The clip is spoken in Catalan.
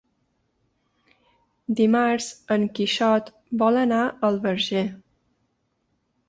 Dimarts en Quixot vol anar al Verger.